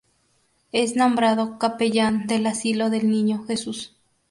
Es nombrado capellán del Asilo del Niño Jesús.